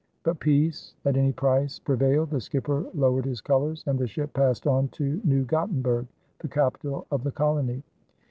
But peace at any price prevailed, the skipper lowered his colors, and the ship passed on to New Gottenburg, the capital of the colony.